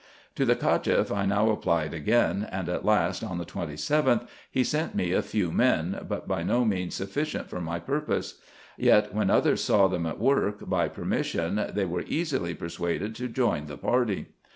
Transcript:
To the Cacheff I now applied again, and at last, on the 27th, he sent me a few men, but by no means sufficient for my purpose ; yet, when others saw them at work, by permission, they were easily persuaded to join the party.